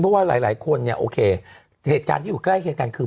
เพราะว่าหลายคนเนี่ยโอเคเหตุการณ์ที่อยู่ใกล้เคียงกันคือ